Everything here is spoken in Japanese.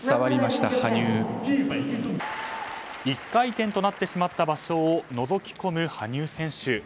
１回転となってしまった場所をのぞき込む羽生選手。